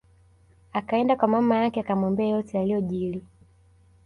Akaenda kwa mama yake akamwambia yote yaliyojili